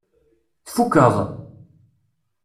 Tfukkeḍ?